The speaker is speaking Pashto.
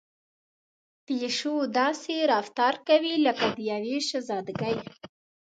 پيشو داسې رفتار کوي لکه د يوې شهزادګۍ.